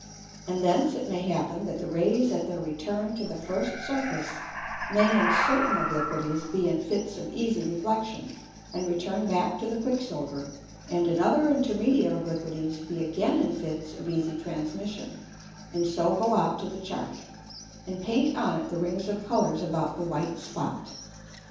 And thence it may happen that the Rays at their return to the first Surface, may in certain Obliquities be in Fits of easy Reflexion, and return back to the Quick silver, and in other intermediate Obliquities be again in Fits of easy Transmission, and so go out to the Chart, and paint on it the Rings of Colours about the white Spot.